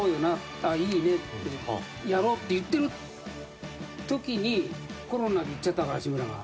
「あっいいね」ってやろうって言ってる時にコロナで逝っちゃったから志村が。